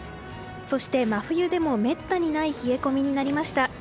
そして、真冬でもめったにない冷え込みになりました。